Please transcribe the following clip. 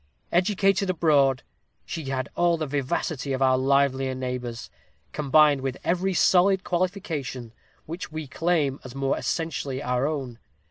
"Educated abroad, she had all the vivacity of our livelier neighbors, combined with every solid qualification which we claim as more essentially our own.